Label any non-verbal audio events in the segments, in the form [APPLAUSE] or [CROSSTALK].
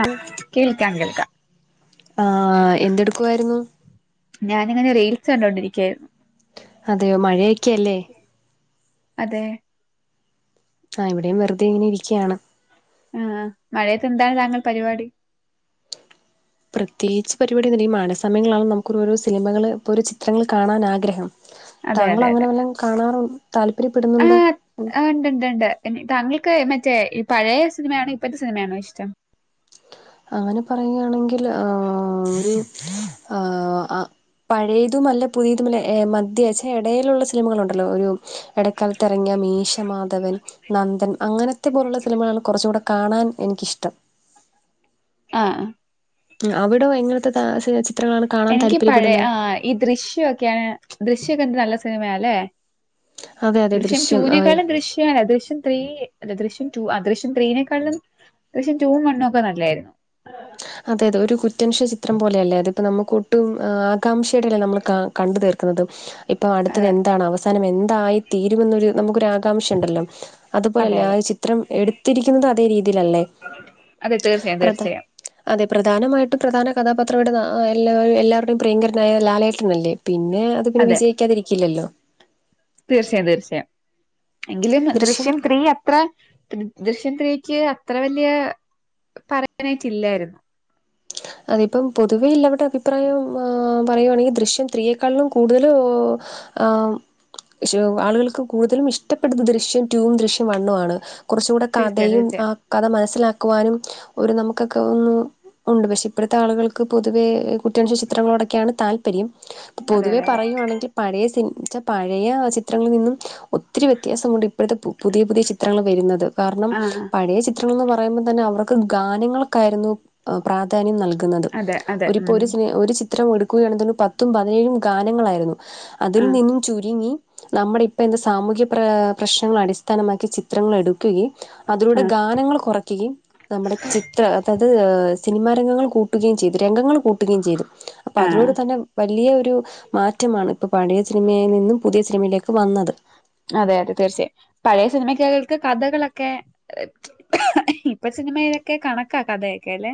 ആഹ് കേൾക്കാം കേൾക്കാം. ആഹ് എന്തെടുക്കുവായിരുന്നു. ഞാനിങ്ങനെ റീൽസ് കണ്ടൊണ്ടിരിക്കുയായിരുന്നു. അതെയോ മഴയൊക്കെയല്ലേ. അതെ.. ആഹ് ഇവിടെയും വെറുതെ ഇങ്ങെനെ ഇരിക്യാണ്. ആഹ് മഴയത്ത് എന്താണ് താങ്കൾ പരിവാടി. പ്രത്യേകച്ച് പരിപാടി ഒന്നും മില്ലാ [UNINTELLIGIBLE] സമങ്ങളാണ് നമുക്ക് സിനിമകൾ ഓരോ ചിത്രങ്ങൾ കാണൻ ആഗ്രഹം.. അതെ താങ്കൾ അതെ അതെ അങ്ങനെ വല്ലാം കാണാറു താല്പര്യപ്പെടുന്നുണ്ടോ. ആഹ് ആഹ് ഇണ്ട് ഇണ്ട് ഇണ്ട് താങ്കൾക്ക് മറ്റേ ഈ പഴയ സിനിമയാണോ ഇപ്പഴത്തെ സിനിമയാണോ ഇഷ്ടം. അങ്ങനെ പറയുകയാണെങ്കിൽ ആഹ് ഒര് ആഹ് അ പഴയതും അല്ല പുതിയതുംല്ല ഏ മദ്യ ചെ എടെലുള്ള സിനിമകളുണ്ടല്ലോ ഒരു. ഇടക്കാലത്ത് എറങ്ങിയ മീശമാധവൻ. നന്ദൻ അങ്ങനത്തെ പോലുള്ള സിനിമകൾ കുറച്ചു കൂടെ കാണാൻ എനിക്കിഷ്ടം. ആഹ് ആഹ് അവിടോ എങ്ങനത്തെ താ ചെ ചിത്രങ്ങളാണ് കാണാൻ എനിക്ക് പഴയ താല്പര്യപ്പെടുന്നെ ആഹ് ഈ ദൃശ്യൊക്കെയാണ് ദൃശ്യൊക്കെ എന്ത് നല്ല സിനിമയാല്ലേ. അതെ അതെ ദൃശ്യം ടു ആ, വിനെ ക്കാളും ദൃ ശ്യിം ഏക ദേശം. ത്രീ ദൃശ്യം ടു ആഹ് ദൃശ്യം ത്രീനേക്കാളിലും ദൃശ്യം ടൂ വണും ഒക്കെ നല്ലായിരുന്നു. അതെ അതെ ഒരു കുറ്റനുഷ ചിത്രം പോലെയല്ലേ അത് പ്പം നമുക്ക് ഒട്ടും ആകാംക്ഷയോടെയല്ലേ നമ്മള് കാ കണ്ടു തീർക്കുന്നത്.. ഇപ്പൊ അടുത്തത് അതെ എന്താണ് അവസാനം എന്തായിത്തീരുമെന്നൊരു നമുക്കൊ ആകാംക്ഷ ഇണ്ടല്ലോ.. അതെ അതുപോലെല്ലേ ആഹ് അതെ ഒരു ചിത്രം എടുത്തിരിക്കുന്നത് അതേ രീതിയിലല്ലേ.. അതെ തീർച്ചായയും പ്രധാ തീർച്ചയായും. അതെ പ്രധാനമായിട്ടും പ്രധാന കഥാപാത്രംടെ ആഹ് എല്ല എല്ലാവരുടെയും പ്രിയങ്കരനായ ലാലേട്ടൻ നെല്ലേ.. പിന്നെ അത് പിന്നെ അതെ വിജയിക്കാതിരിക്കില്ലല്ലോ. തീർച്ചയായും തീർച്ചയായും എങ്കിലും ദൃശ്യം ത്രീ അത്രേ ദൃഷ്യൻ ത്രീക്ക് അത്ര വല്യ പറയാനായിട്ടില്ലായിരുന്നു. അതിപ്പം പൊതുവെ എല്ലാവരുടെ അഭിപ്രായം പറയുകയാണെങ്കിൽ ദൃശ്യം ത്രീയെക്കാളും കൂടുതൽ. ആഹ് സൂ ആളുകൾക്ക് കൂടുതലും ഇഷ്ടപ്പെടുന്ന ദൃശ്യം റ്റൂ ദൃശ്യം വണ്ണുവാണ്. കുറച്ച് കൂടെ തീർച്ചയായും കഥയും തീർച്ചയായും ആഹ് കഥ മനസ്സിലാക്കുവാനും ഒരു നമുക്കൊക്കെ ഒന്ന് ഉണ്ട് പക്ഷേ. ഇപ്പോഴത്തെ ആളുകൾക്ക് പൊതുവെ കുട്ടിയണ ചിത്രങ്ങളോടൊക്കെയാണ് താല്പര്യം അതെ പൊതുവേ അതെ അതെ പറയുവാണെങ്കി പഴയ സിന് പഴയ ചിത്രങ്ങളിൽ നിന്നും ഒത്തിരി വ്യത്യാസമുണ്ട് ഇപ്പോഴത്തെ പുതിയ പുതിയ ചിത്രങ്ങൾ വരുന്നത് കാരണം ആഹ് പഴയ ചിത്രങ്ങന്ന് പറയുമ്പോൾ തന്നെ അവർക്ക് ഗാനങ്ങൾക്കായിരുന്നു പ്രാധാന്യം നൽ ക്ക്ന്നത് അതെ അതെ ഒരു ഇപ്പൊ ഉം ഒരു ഒരു ചിത്രം എടുക്കുകയാണു പത്തും പതിനേഴും ഗാനങ്ങളായിരുന്നു അതിൽ ആഹ് നിന്ന് ചുരുങ്ങി നമ്മുടെ ഇപ്പ എന്താ സാമൂഹ്യ പ്ര പ്രശ്നങ്ങൾ അടിസ്ഥാനമാക്കി ചിത്രങ്ങൾ എടു ഉം അതിലൂടെ ആഹ് ഗാനങ്ങൾ കൊറക്കുകയും നമ്മുടെ ചത്ര അതായത് സിനിമാ രംഗങ്ങൾ കൂട്ടുകയും ചെയ്തു. രംഗങ്ങൾ കൂട്ടുകയും ചെയ്തു. അപ്പ ആഹ് അതിലൂടെ തന്നെ വലിയൊരു മാറ്റമാണ് ഇപ്പോ പഴയ സിനിമയിൽ നിന്നും പുതിയ സിനിമയിലേക്ക് വന്നത് അതെ അതെ തീർച്ചയായും. പഴയ സിനിമകൾക്ക് കഥകളൊക്കെ ഇപ്പ സിനിമയിലൊക്കെ കണക്കാ കഥയൊക്കെല്ലെ.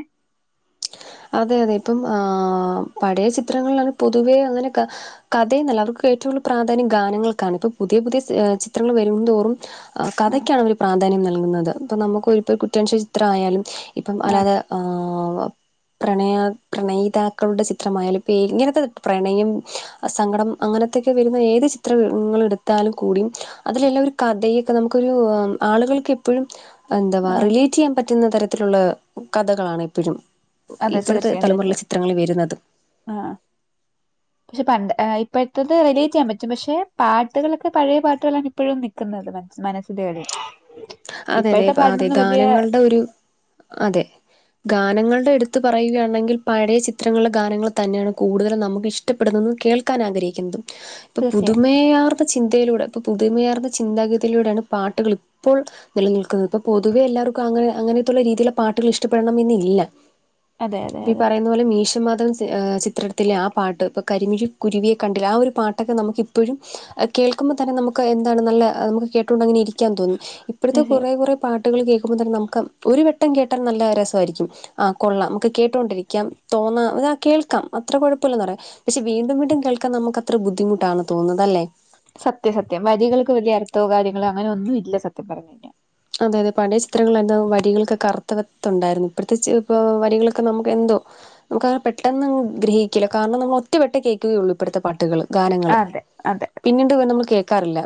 അതെ അതെ. ഇപ്പം ആഹ് പഴയ ചിത്രങ്ങളിലാണ് പൊതുവെ അങ്ങനെക്കെ കഥയെന്നല്ല അവർക്ക് ഏറ്റവും കൂടുതല് പ്രാധാന്യം ഗാനങ്ങൾക്കാണ്. ഇപ്പൊ പുതിയ പുതിയ സി ഏഹ് ചിത്രങ്ങള് വരുംതോറും ആഹ് കഥയ്ക്കാണവര് പ്രാധാന്യം നൽകുന്നത്. ഇപ്പം നമുക്കൊരു ഇപ്പൊ ഒരു കുറ്റന്വേഷണ ചിത്രായാലും ഇപ്പം ആഹ് അല്ലാതെ ആഹ് പ്രണയാ പ്രണയിതാക്കളുടെ ചിത്രമായാലും ഈ ഇങ്ങനത്തെ പ്രണയം സങ്കടം അങ്ങനത്തൊക്കെ വരുന്ന ഏത് ചിത്രങ്ങൾ എടുത്താലുംകൂടി അതിലെല്ലാം ഒരു കഥയൊക്കെ നമുക്കൊരു ആളുകൾക്ക് എപ്പഴും എന്തവാ ആഹ് റിലേറ്റ് ചെയ്യാൻ പറ്റുന്ന തരത്തിലുള്ള കഥകളാണ് എപ്പഴും. അതെ ഇപ്പറത്തെ തീർച്ചയായും തലമുറയിലെ തീർച്ചയായും ചിത്രങ്ങൾ വരുന്നത്. ആഹ് [UNINTELLIGIBLE] പക്ഷെ പണ്ട് ഇപ്പഴത്തത് റിലേറ്റ് ചെയ്യാൻ പറ്റും. പക്ഷെ പാട്ടുകളൊക്കെ പഴയ പാട്ടുകളാണ് ഇപ്പഴും നിക്കുന്നത് [UNINTELLIGIBLE] അതെ അതെ. ഇപ്പോഴത്തെ അതെ പാട്ടിനൊന്നും വലിയ ഗാനങ്ങളുടെ ഒരു അതെ. ഗാനങ്ങളുടെ എടുത്ത് പറയുകയാണെങ്കിൽ പഴയ ചിത്രങ്ങളിലെ ഗാനങ്ങൾ തന്നേണ് കൂടുതലും നമുക്ക് ഇഷ് ടപ്പെടുന്നതും കേൾക്കാൻ ആഗ്രഹിക്കുന്നതും. ഇപ്പ തീർച്ചയായും പുതുമേയാർന്ന ചിന്തയിലൂടെ ഇപ്പൊ പുതുമയാർന്ന ചിന്താഗതിയിലൂടെയാണ് പാട്ടുകള് ഇപ്പോൾ നിലനിൽക്കുന്നത്. ഇപ്പൊ പൊതുവെ എല്ലാർക്കും അങ്ങനെ അങ്ങനത്തുള്ള രീതിയിലുള്ള പാട്ടുകൾ ഇഷ്ടപ്പെടണം എന്നില്ല. അതെ അതെ ഇപ്പ ഈ അതെ പറയുന്ന ന്നപോലെ മീശമാധവൻ ചിത്രത്തിലെ ആ പാട്ട് ഇപ്പോൾ കരിമിഴി കുരുവിയെ കണ്ടില്ല. ആ ഒരു പാട്ടൊക്കെ നമുക്ക് ഇപ്പഴും കേൾക്കുമ്പോൾ തന്നെ നമുക്ക് എന്താണ് നല്ല നമുക്ക് കേട്ടുകൊണ്ട് അങ്ങനെ ഇരിക്കാൻ തോന്നും. ഇപ്പഴത്തെ കുറെ കുറെ പാട്ടുകൾ കേക്കുമ്പ തന്നെ നമുക്ക് ഒരു വട്ടം കേട്ടാൽ നല്ല രസമായിരിക്കും. ആഹ് കൊള്ളാം. നമുക്ക് കേട്ടൊണ്ടിരിക്കാം തോന്നാം ആഹ് കേൾക്കാം അത്ര കൊഴപ്പമില്ലന്ന് പറയാം. പക്ഷെ വീണ്ടും വീണ്ടും കേൾക്കാൻ നമുക്ക് അത്ര ബുദ്ധിമുട്ടാണ് തോന്നുന്നല്ലേ. സത്യ സത്യം വരികൾക്ക് വലിയ അർത്ഥോ കാര്യങ്ങളോ അങ്ങനെ ഒന്നും ഇല്ല സത്യം പറഞ്ഞു കഴിഞ്ഞാ. അതെ അതെ പഴയ ചിത്രങ്ങളിലൊക്കെ വരികൾക്കൊക്കെ അർത്ഥവത്തുണ്ടായിരുന്നു. ഇപ്പഴത്തെ ചി ഇപ്പൊ വരികൾക്കൊ നമുക്കെന്തോ നമുക്കങ്ങനെ പെട്ടെന്ന് ഗ്രഹിക്കില്ല. കാരണം നമ്മള് ഒറ്റവട്ടേ കേൾക്കുകയുള്ളൂ ഇപ്പോഴത്തെ പാട്ടുകള്. ഗാനങ്ങള് അതെ അതെ അതെ പിന്നീട് ഇവ നമ്മള് കേക്കാറില്ല.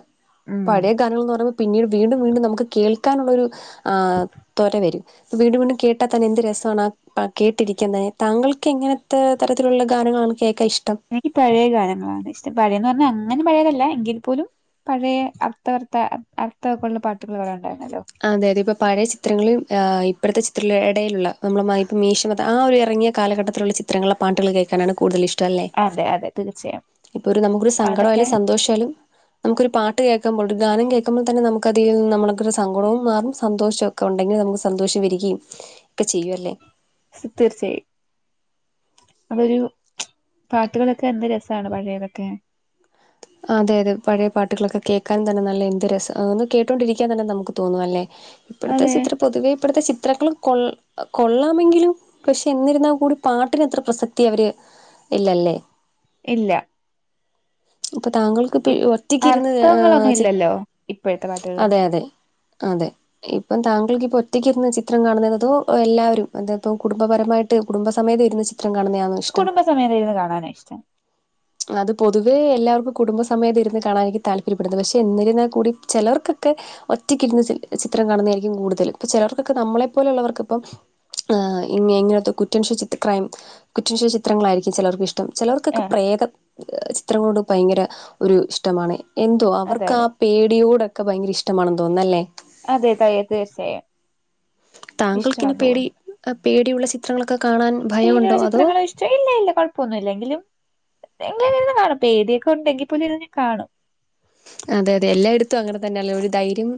ഉം പഴേ ഗാനങ്ങള്ന്ന് പറയുമ്പ പിന്നീട് വീണ്ടും വീണ്ടും നമുക്ക് കേൾക്കാനുള്ളൊരു ആഹ് ത്വര വരും. വീണ്ടും വീണ്ടും കേട്ടാ തന്നെ എന്ത് രസമാണാ പാ കേട്ടിരിക്കാൻ തന്നെ. താങ്കൾക്ക് എങ്ങനത്തെ തരത്തിലുള്ള ഗാനങ്ങളാണ് കേക്ക ഇഷ്ടം? എനിക്ക് പഴേ ഗാനങ്ങളാണ് ഇഷ്ടം. പഴെന്ന് പറഞ്ഞാൽ അങ്ങനെ പഴയതല്ല എങ്കിൽ പോലും പഴേ അർത്ഥവത്ത അർത്ഥവൊക്കെ ഉള്ള പാട്ടുകളിവിടെ ഉണ്ടായിരുന്നല്ലോ അതെ അതെ ഇപ്പ പഴയ ചിത്രങ്ങളും ഇപ്പോഴത്തെ ചിത്ര ഇടയിലുള്ള നമ്മള് ഇപ്പ മീശ ആ ഒരു ഇറങ്ങിയ കാലഘട്ടത്തിലുള്ള ചിത്രങ്ങളിലെ പാട്ടുകൾ കേൾക്കാനാണ് കൂടുതലിഷ്ടം. ല്ലേ അതെ അതെ തീർച്ചയായും ഇപ്പൊ ഒരു നമുക്കൊരു അതൊക്കെ സങ്കടമായാലും സന്തോഷമായാലും നമുക്കൊരു പാട്ട് കേക്കുമ്പോൾ ഒരു ഗാനം കേൾക്കുമ്പം തന്നെ നമുക്ക് അതീന്ന് നമ്മളക്കൊരു സങ്കടവും മാറും സന്തോഷൊക്കെ ഉണ്ടെങ്കിൽ നമുക്ക് സന്തോഷം വരികയും ഒക്കെ ചെയ്യും അല്ലേ. തീർച്ചയായും അതൊരു പാട്ടുകളൊക്കെ എന്ത് രസാണ് പഴയതൊക്കെ. അതെ അതെ പഴയ പാട്ടുകളൊക്കെ കേൾക്കാനും തന്നെ നല്ല എന്ത് രസം ഒന്ന് കേട്ടൊണ്ടിരിക്കാൻ തന്നെ നമുക്ക് തോന്നും അല്ലേ. ഇപ്പഴ്ത്തെ അതെ ചിത്ര പൊതുവേ ഇപ്പഴ്ത്തെ ചിത്രങ്ങൾ കൊ കൊള്ളാമെങ്കിലും. പക്ഷെ എന്നിരുന്നാൽ കൂടി പാട്ടിനെത്ര പ്രസക്തി അവര് ഇല്ലല്ലേ. ഇല്ല അപ്പൊ താങ്കൾക്ക് ഇപ്പ ഇ- ഒറ്റക്ക് ഇരുന്ന് അർത്ഥങ്ങളൊന്നും ഇല്ലല്ലോ ഇപ്പോഴത്തെ അതെ പാട്ടുകളിലൊന്നും അതെ. അതെ ഇപ്പം താങ്കൾക്ക് ഇപ്പോ ഒറ്റക്കിരുന്ന് ചിത്രം കാണുന്നത് അതോ എല്ലാവരും അ ഇപ്പോ കുടുംബപരമായിട്ട് കുടുംബ സമേതം ഇരുന്ന് ചി ത്രം കാണുന്നെ ആണോ ഇഷ്ടം കുടുംബസമേതം ഇരുന്ന് കാണാനാ ഇഷ്ടം അത് പൊതു തുവെ എല്ലാവർക്കും കുടുംബസമേതം ഇരുന്ന് കാണാൻ ആരിക്കും താല്പര്യപ്പെടുന്നത് പക്ഷേ എന്നിരുന്നാൽ കൂടി ചിലോർക്കൊക്കെ. ഒറ്റക്കിരുന്ന് ചിത്രം കാണുന്നതായിരിക്കും കൂടുതൽ ഇപ്പ ചിലർക്കൊക്കെ നമ്മളെ പോലെയുള്ളവർക്ക് ഇപ്പം. ആഹ് ഇങ്ങ ഇങ്ങനത്തെ കുറ്റൻഷിത്ര ക്രൈം കുറ്റൻഷ ചിത്രങ്ങളായിരിക്കും ചിലർക്ക് ഇഷ് ഇഷ്ടം ചിലവർക്കൊക്കെ ആഹ് പ്രേത ചിത്രങ്ങളോട് ഭയങ്കര ഒരു ഇഷ്ടമാണ്. എന്തുവാ അതെ അവർക്കാ അതെ പേടിയോടൊക്കെ ഭയങ്കര ഇഷ്ടമാണെന്ന് തോന്നുന്നല്ലേ. അതെ തീർച്ചയായും. ഇഷ്ടമാ താങ്കൾക്കിന് തോന്നുന്നു പേടി പേടിയുള്ള ചിത്രങ്ങളൊക്കെ കാണാൻ പേടിയുള്ള ഭയമുണ്ടോ അതോ. ചിത്രങ്ങളോ ഇല്ല ഇല്ല കുഴപ്പമൊന്നുല്ല എങ്കിലും ഇങ്ങനെ ഇരുന്ന് കാണും പേടിയൊക്കെ ഉണ്ടെങ്കിൽ പോലും ഇരുന്ന് കാണും. അതെ അതെ എല്ലായിടത്തും അങ്ങനെ തന്നെയല്ലെ ഒരു ധൈര്യം.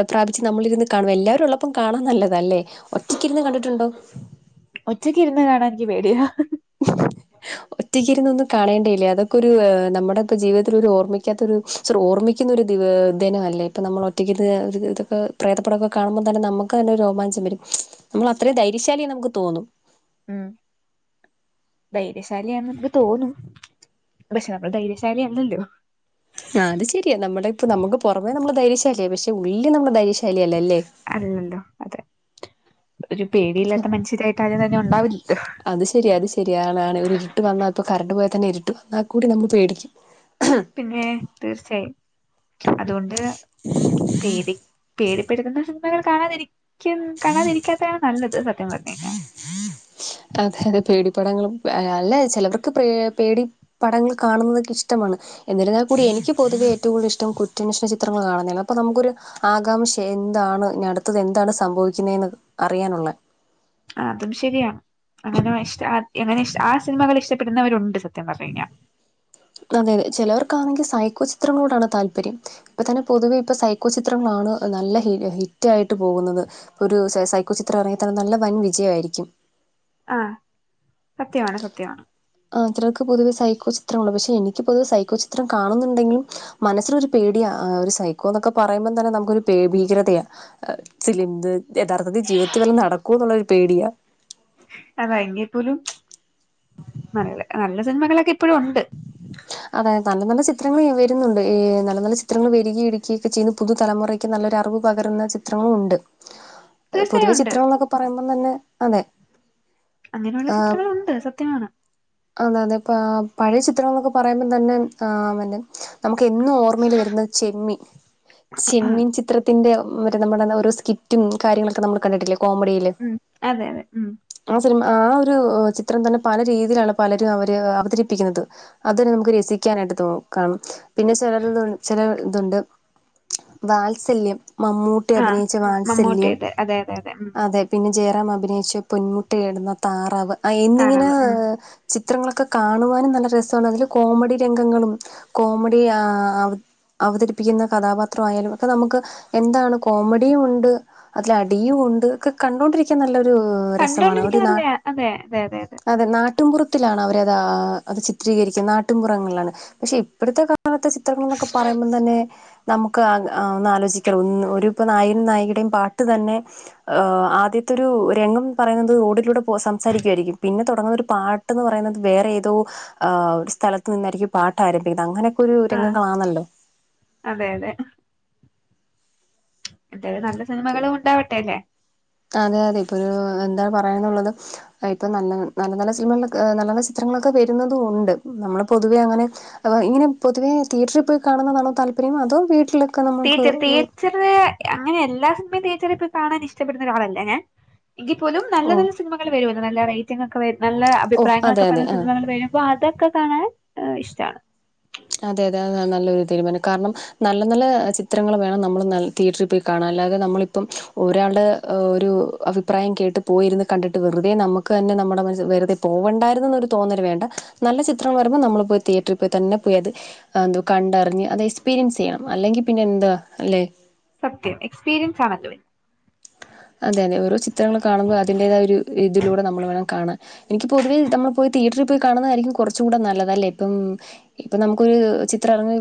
ർ പ്രാപിച്ച് നമ്മളിരുന്ന് കാണും എല്ലാവരും ഉള്ളപ്പം കാണാൻ നല്ലതല്ലേ ഒറ്റക്ക് ഇരുന്ന് കണ്ടിട്ടുണ്ടോ. ഒറ്റക്ക് ഇരുന്ന് കാണാൻ എനിക്ക് പേടിയ. ഒറ്റക്കിരുന്നൊന്നു കാണേണ്ടേയില്ലേ അതൊക്കെ ഒരു നമ്മുടെ ഇപ്പോ ജീവിതത്തിൽ ഒരു ഓർമ്മിക്കാത്തൊരു. ചെറു ഓർമ്മിക്കുന്ന ഒരു ദിവ ദിനമല്ലേ ഇപ്പം നമ്മൾ ഒറ്റക്ക്ത് ഇതൊക്കെ പ്രേതപ്പടമൊക്കെ കാണുമ്പോൾ തന്നെ നമു ക്കന്നെ രോമാഞ്ചം വരും നമ്മളത്ര ധൈര്യശാലി നമുക്ക് തോന്നും. ഉം ധൈര്യശാലിയാണ് നമുക്ക് തോന്നും പക്ഷെ നമ്മൾ ധൈര്യശാലി അല്ലല്ലോ. ആ അത് ശരിയാ നമ്മുടെ ഇപ്പൊ നമുക്ക് പുറമേ നമ്മുടെ ധൈര്യശാലി പക്ഷെ ഉള്ളി നമ്മുടെ ധൈര്യശാലിയല്ലല്ലേ. അല്ലല്ലോ അതെ ഒരു പേടിയില്ലാത്ത മനുഷ്യരായിട്ട് ആരും തന്നെ ഉണ്ടാവില്ലല്ലോ. അത് ശരിയാ അത് ശരിയാണ് ആണ് ആണ് ഒരിരിട്ട് വന്നാൽ ഇപ്പോ കറണ്ട് പോയാൽ തന്നെ ഇരിട്ട് വന്നാൽ കൂടി നമ്മൾ പേടിക്കും. പിന്നെ തീർച്ചയായും അതുകൊണ്ട്. പേടി പേടിപ്പെടുത്തുന്ന സിനിമകള് കാണാ ക്ക്യും കാണാതിരിക്കാത്താണ് നല്ലത് സത്യം പറഞ്ഞ് കഴിഞ്ഞ. അതെ അതെ പേടി പടങ്ങളും അല്ലെ ചിലവർക്ക് പേ പേടി. പടങ്ങൾ കാണുന്നതൊക്കെ ഇഷ്ടമാണ്. എന്നിരുന്നൽ കൂടി എനിക്ക് പൊതുവേഏറ്റവും കൂതൽ ഇഷ്ടം കുറ്റന്വേഷണ ചിത്രങ്ങൾ കാണുന്നെയാ അപ്പൊ നമുക്കൊരു. ആകാംക്ഷ എന്താണ് ഞ അടുത്തത് എന്താണ് സംഭവിക്കുന്നേന്ന് അറിയാനുള്ള. അതും ശരിയാ അങ്ങനെ ഇങ്ങനെ ആ സിനിമകൾ ഇഷ്ടപ്പെടുന്നവരുണ്ട് സത്യം പറഞ്ഞു കഴിഞ്ഞാ. അതെ അതെ ചിലവർക്കാണെങ്കിൽ സൈക്കോ ചിത്രങ്ങളോടാണ് താല്പര്യം. ഇപ്പൊ തന്നെ പൊതുവെ ഇപ്പൊ സൈക്കോ ചിത്രങ്ങളാണ് നല്ല ഹി ഹിറ്റ് ആയിട്ട് പോകുന്നത്. ഇപ്പൊ ഒരു സൈക്കോ ചിത്രം ഇറങ്ങിയ തന്ന നല്ല വൻ വിജയമായിരിക്കും. ആ സത്യമാണ് സത്യമാണ്. ആ ചിലർക്ക് പൊതുവെ സൈക്കോ ചിത്രമാ പക്ഷെ എനിക്ക് പൊതുവെ സൈക്കോ ചിത്രം കാണുന്നുണ്ടെങ്കിലും. മനസ്സിലൊരു പേടിയാ ഒരു സൈക്കോ എന്നൊക്കെ പറയുമ്പോം തന്നെ നമുക്കൊരു ഭീകരതയാ. ച്ചിലിന്ത് യഥാർത്ഥത്തിൽ ജീവിതത്തിൽ വല്ലോം നടക്കോ എന്നുള്ളൊരു പേടിയാ അതാ എങ്കിപ്പോലും ന നല്ല സിനിമകളൊക്കെ ഇപ്പഴും ഉണ്ട് അതായ നല്ല നല്ല ചിത്രങ്ങൾ വരുന്നുണ്ട് നല്ല നല്ല ചിത്രങ്ങൾ വരിക ഇടുകൊക്കെ ചെയ്യുന്ന പുതുതലമുറ യ്ക്ക് നല്ലഅറിവ് പകരുന്ന ചിത്രങ്ങളും ഉണ്ട് തീർച്ചയായും പൊതുവെ ഉണ്ട് ചിത്രങ്ങള് എന്നൊക്കെ പറയുമ്പോം തന്നെ അതെ അങ്ങനെയുള്ള ആ, ചിത്രങ്ങളുണ്ട് സത്യമാണ് അതെ അതെ പഴയ ചിത്രങ്ങൾ എന്നൊക്കെ പറയുമ്പം തന്നെ ആ മന്നെ നമുക്ക് എന്നും ഓർമ്മയിയില് വരുന്നത് ചെമ്മീൻ ചെമ്മീൻ ചിത്ര ത്തിൻ്റെ മറ്റേ നമ്മുടെ ഓരോ സ്കിറ്റും കാര്യങ്ങളൊക്കെ നമ്മൾ കണ്ടിട്ടില്ലേ കോമഡിയിൽ ഉം അതെ അതെ ഉം ആഹ് സിനിമ ആ ഒരു ചിത്രം തന്നെ പല രീതിയിലാണ് പലരും അവര് അവതരിപ്പിക്കുന്നത് അതുന്നെ നമുക്ക് രസിക്കാനായിട്ട് തോ കാണും പിന്നെ ചില ചില ഇതുണ്ട് വാത്സല്യം മമ്മൂട്ടി ആഹ് അഭിനയിച്ച വാത്സല്യം മമ്മൂട്ടിയുടെ അതെ അതെ ഉം അതെ പിന്നെ ജയറാം അഭിനയിച്ച പൊൻമുട്ടി ഇടുന്ന താറാവ് എന്നിങ്ങനെ താറാവ് ഉം ചിത്രങ്ങളൊക്കെ കാണുവാനും നല്ല രസമാണ് അതില് കോമഡി രംഗങ്ങളും കോമഡി ആ അവതരിപ്പിക്കുന്ന കഥാപാത്ര ആയാലും ഒക്കെ നമുക്ക് എന്താണ് കോമഡിയും ഉണ്ട് അതില അടിയും ഒണ്ട് കണ്ടൊണ്ടിരിക്കാൻ നല്ലൊരു രസമാണ് ഒരു നാ കണ്ടോണ്ടിരിക്കാറില്ല അതെ അതെ ഉം അതെ ന നാട്ടുപുറത്തിലാണ് അവരത് ചിത്രീകരിക്കുന്നത് നാട്ടിപുറങ്ങളിലാണ് പക്ഷെ ഇപ്പോഴത്തെ കാ ലത്തെ ചിത്രങ്ങൾ എന്നൊക്കെ പറയുമ്പോൾ തന്നെ നമുക്ക് ഒന്ന ആലോചിക്കാം ഒന്ന് ഒരു ഇപ്പം നായികനും നായികയുടെയും പാട്ട് തന്നെ ഹ ആദ്യത്തെരു രംഗം പറയുന്നത് റോഡിലൂടെ സംസാരിക്കുയിരിക്കും പിന്നെ തുടങ്ങുന്ന ഒരു പാ ന്ന് പറയുന്നത് വേറെ ഏതോ ആ ഒരു സ്ഥലത്ത് നിന്നായിരിക്കും പാട്ട് ആരംഭിക്കുന്നത് അങ്ങനെയൊക്കെ ഒരു ആഹ് രംഗങ്ങളാണല്ലോ അതെ അതെ എന്തായാലത് നല്ല സിനിമകളും ഉണ്ടാവട്ടെ അല്ലെ അതെ അതെ ഇപ്പൊ ഒരു എന്താ പറയന്നുള്ളത് ഇപ്പൊ നല്ല നല്ല നല്ല സിനിമകള നല്ല നല്ല ചിത്രങ്ങളൊക്കെ വരുന്നതും ഉണ്ട് നമ്മള് പൊതുവെ അങ്ങനെ അ ഇങ്ങനെ പൊതുവെതിയറ്ററിൽ പോയി കാണുന്നതാണോ താല്പര്യം അതോ വീട്ടില തിയേറ്റർ തിയേറ്റർ അങ്ങനെ എല്ലാ സിനിമയും തിയേറ്റർ പോയി കാണാൻ ഇഷ്ടപ്പെടുന്ന ഒരാളല്ല ഞാൻ എങ്കിൽ പോലും നല്ല ഓ നല്ല സിനിമകൾ വരും അല്ല നല്ല റേറ്റിംഗ് ഒക്കെ വരുന്ന നല്ല ഓ അതെ അഭിപ്രായങ്ങളൊക്കെ അതെ പറഞ്ഞ ആ സിനിമകൾ വരും അപ്പ അതൊക്കെ കാണാൻ ഇഷ്ടമാണ് അതെ അതെ അത നല്ലൊരു തീരുമാനം കാരണം നല്ല നല്ല ചിത്രങ്ങൾ വേണം നമ്മൾ തിയേറ്ററിൽ പോയി കാണാൻ അല്ലാതെ നമ്മളിപ്പം ഒരാൾടെ ഒരു അഭിപ്രായം കേട്ട് പോയിരുന്ന് കണ്ടിട്ട് വെറുതെ നമുക്ക് തന്നെ നമ്മുടെ മസ്സ് വെറുതെ പോവണ്ടായിരുന്നൊരു തോന്നൽ വേണ്ട നല്ല ചിത്രങ്ങൾ വരുമ്പോ നമ്മളിപ്പോ തിയേറ്ററിൽ പോയി തന്നെ പോയി അത് എന്തോ കണ്ടറിഞ്ഞ് അത് എക്സ്പീരിയൻസ് ചെയ്യണം അല്ലെങ്കിൽ പിന്നെ എന്താ അല്ലേ സത്യം എക്സ്പീരിയൻസ് ആണ് എല്ലാം അതെ അതെ ഓരോ ചിത്രങ്ങൾ കാണുമ്പോൾ അതിന്റേതായ ഒരു ഇതിലൂടെ നമ്മൾ വേണം കാണാൻ എനിക്ക് പൊതുവേ നമ്മൾ പോയി തിയേറ്ററിൽ പോയി കാണുന്നതായിരിക്കും കുറച്ചും കൂടെ നല്ലതല്ലേ ഇപ്പം ഇപ്പൾ നമുക്കൊരു ചിത്രംറങ്ങി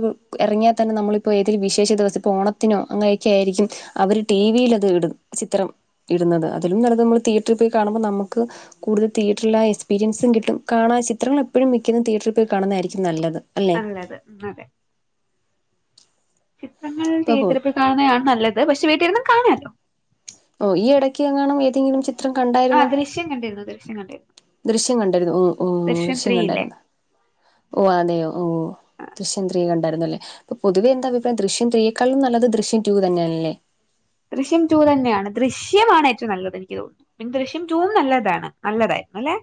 ഇറങ്ങിയാൽ തന്നെ നമ്മളിപ്പോൾ ഏതൊരു വിശേഷ ദിവസം ഇപ്പോൾ ഓണത്തിനോ അങ്ങനെയൊക്കെ ആയിരിക്കും അവര് ടി വിൽ അത് ഇടും ചിത്രം ഇടുന്നത് അതിലും നല്ലത് നമ്മൾ തിയേറ്ററിൽ പോയി കാണുമ്പോൾ നമുക്ക് കൂടുതൽതിയേറ്ററൽ ആ എക്സ്പീരിൻസും കിട്ടും കാണാ ചത്രൾ എപ്പോഴും മിക്കതും തിയേറ്ററിൽ പോയി കാണുന്നതായിരിക്കും നല്ലത് അല്ലേ? നല്ലത് അതെ ചിത്രങ്ങൾ ഇപ്പോൾ പോ തീയേറ്ററിൽ പോയി കാണുന്നതാണ് നല്ലത് പക്ഷെ വീട്ടിലിരുന്നും കാണാല്ലോ ഓ ഈ ഇടയ്ക്ക് എങ്ങണം ഏതെങ്കിലും ചി ത്രം ആ കണ്ടായിരുന്നോ ദൃശ്യം കണ്ടിരുന്നു ദൃശ്യം കണ്ടിരുന്നു ദൃശ്യം കണ്ടായിരുന്നു ഓ ഓ ദൃശ്യം ത്രീ ഇല്ലേ കണ്ടായിരുന്ന ഓഹ് അതെയോ ഓ ആ ദൃശ്യൻത്രീയ കണ്ടായിരുന്നല്ലേ അപ്പൊതുവെ എന്ത അഭിപ്രം ദൃശ്യൻത്രീയെക്കളും നല്ല ദൃശ്യ ടു തന്നെയണല്ലേ ദൃശ്യം ടു തന്നെയാണ് ദൃശ്യമാണ് ഏറ്റവും നല്ലത് എനിക്ക് തോന്നുന്നു പിന്നെ ദൃശ്യം ടു നല്ലതാണ് നല്ലതായിരുന്നു അല്ലെ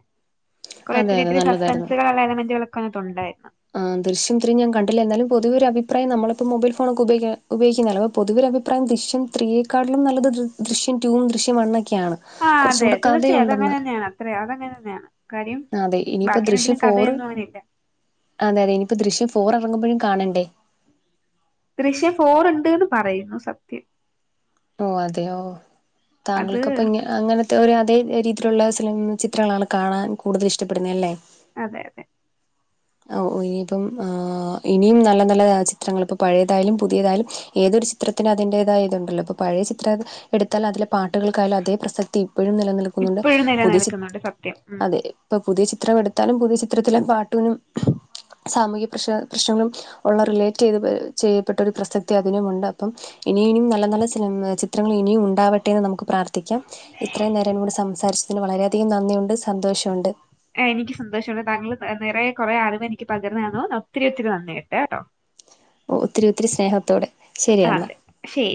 കുറെ അതെ ഒത്തിരി അതെ ഒത്തിരി സസ്പെൻസുകൾള്ള എലമെന്റുകളൊക്കെ അതിനാതൊണ്ടായിരുന്നു ആഹ് ദൃശ്യം ത്രീ ഞാൻ കണ്ടില്ലാ എന്നലും പൊതുവൊ ഒരുഭിപ്രായം നമ്മളപ്പോ മൊബൈൽ ഫോണ്ക്കെ ഉപ ഉപയൊഗി ഉപയൊകിക്കല്ലോ പൊതുവെ അഭിപ്രായം ദൃശ്യ ത്രിയെ ക്കാളിലും നല്ലത് ദൃശ്യം ടുവും ദൃശ്യം വണ്ണൊക്കെയാണ് ആഹ് കുറച്ചും അതെ കൂടെ തീർച്ചയായ അത് അങ്ങനെ കഥയുണ്ടെന്ന് തന്നെയാണ് അത്രയാ അത അങ്ങനെ തന്നെയാണ് കാര്യം ആ, അതെ ഇനിയിപ്പോ ബാക്കി എണ്ണത്തിലും കഥയൊന്നും അവനില്ല അ അതെ ഇനിപ്പോ ദൃശ്യം ഫോർ ഇറങ്ങുമ്പോഴും കാണണ്ടേ ദൃശ്യ ഫോർ ഉണ്ട്ന്നു പറയുന്നു സത്യം ഓഹ് അതെയോ അത് താങ്കൾക്ക്പ്പ ഇങ്ങു അങ്ങനത്തെ ഒരു അതേ രീതിയിലുള്ള സിനിമ ചിത്രങ്ങളാണ് കാണാൻ കൂടുതൽ ഇഷ്ടപ്പെടുന്നത് അല്ലേ അതെ അതെ ഒ ഒ ഇനിയിപ്പം ആ ഇനിയും നല്ല നല്ല ചിത്രങ്ങൾ ഇപ്പം പഴയതായാലും പുതിയതായാലും ഏതൊരു ചിത്രം ചിത്രത്തിന് അതിന്റേതായ ഇതുണ്ടല്ലോ പഴയ ചിത്രം എടുത്താൽ അതിലെ പാട്ടുകൾക്കായാലും അതേ പ്രസക്തി ഇപ്പഴും നിലനിൽക്കുന്നുണ്ട് ഇപ്പോഴും പുതിയ ചിത്രം നിലനിൽക്കുന്നുണ്ട് സത്യം ഉം അതെ ഇപ്പം പുതിയ ചിത്രം എടുത്താലും പുതിയ ചിത്രത്തിലെ പാട്ടിനും സാമൂഹ്യ പ്രശ്ന പ്രശ്നങ്ങളും ഒള്ള റിലേറ്റ് ചെയ്ത് ചെയ്യപ്പെട്ട ഒരു പ്രസക്തി അതിനുമുണ്ട് അപ്പം ഇനി ഇനിയും നല്ല നല്ല ചിത്രങ്ങൾ ഇനിയും ഉണ്ടാവട്ടെന്ന് നമുക്ക് പ്രാർത്ഥിക്കാം ഇത്രയും നേരം കൂടെ സംസാരിച്ചതിന് വളരെയധികം നന്ദിയുണ്ട് സന്തോഷമുണ്ട് ആ എനിക്ക് ഒത്തിരി സന്തോഷമുണ്ട് താങ്കൾ നിറയ കുറേ അറിവ് എനിക്ക് പകർന്നു തന്നു ഒത്തിരി ഒത്തിരി നന്ദി ഒണ്ട് കേട്ടോ ഓ ഒത്തിരി ഒത്തിരി സ്നേഹത്തോടെ ശരി എന്നാൽ അതെ ശരി